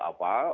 mulai main di